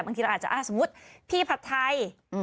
บางทีเราอาจจะสมมุติพี่ผัดไทย